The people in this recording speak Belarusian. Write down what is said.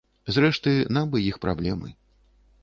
Зрэшты, нам бы іх праблемы.